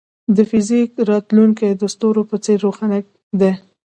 د فزیک راتلونکی د ستورو په څېر روښانه دی.